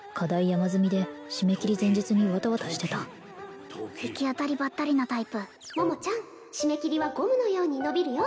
山積みで締め切り前日にわたわたしてた行き当たりばったりなタイプ桃ちゃん締め切りはゴムのようにのびるよ